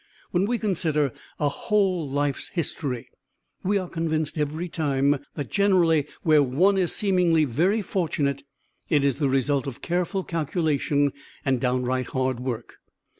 When we consider a whole life's history, we are convinced every time that generally where one is seemingly very fortunate, it is the result of careful calculation and down right hard work.